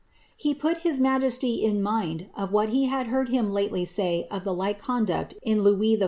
'^ He put his majesty in mind of what he had heard him lately say of the like conduct in Louis XIV.